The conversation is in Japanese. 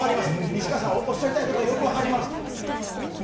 西川さん、おっしゃりたいことはよく分かります。